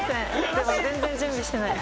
でも全然準備してない。